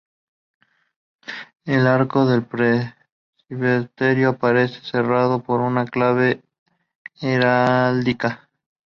El arco del presbiterio aparece cerrado por una clave heráldica.